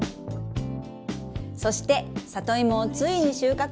そしてサトイモをついに収穫！